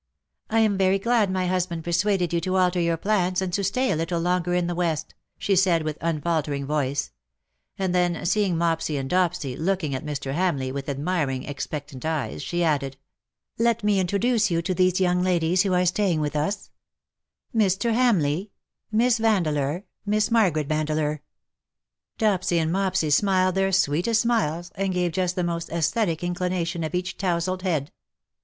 " I am very glad my husband persuaded you to alter your plans_, and to stay a little longer in the "West/^ she said, with an unfaltering voice; and then, seeing Mopsy and Dopsy looking at Mr. Hamleigh with admiring expectant eyes, she added, ^' Let me introduce you to these young ladies who are staying with us — Mr. Hamleigh, Miss Yandeleur, Miss Margaret Vandeleur.''' Dopsy and Mopsy smiled their sweetest smiles, and gave just the most aesthetic inclination of each towzled head.